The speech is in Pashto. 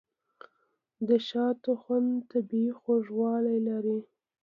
د شاتو خوند طبیعي خوږوالی لري.